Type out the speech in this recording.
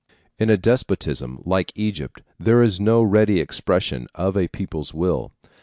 In a despotism like Egypt there is no ready expression of a people's will.